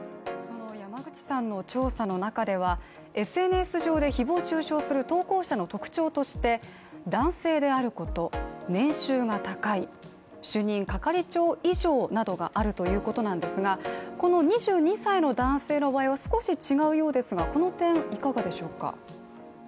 山口さんの調査の中では、ＳＮＳ上で誹謗中傷する投稿者の特徴として男性であること、年収が高い、主任・係長以上あるということなんですがこの２２歳の男性の場合は少し違うようですが、この点、いかがでしょうか。